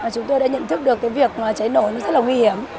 chúng tôi đã nhận thức được việc cháy nổ rất là nguy hiểm